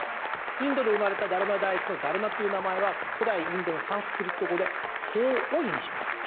インドで生まれた達磨大師のだるまという名前は古代インドのサンスクリット語で法を意味します。